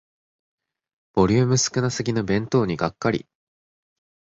ボリューム少なすぎの弁当にがっかり